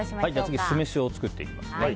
次は酢飯を作っていきます。